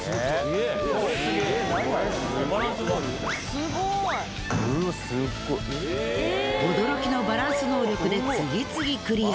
すごい！驚きのバランス能力で次々クリア。